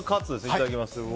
いただきます。